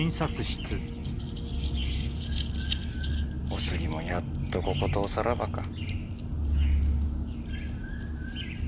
お杉もやっとこことおさらばか。